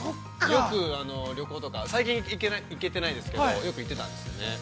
◆よく旅行とか最近は行けてないんですけど、よく行ってたんですよね。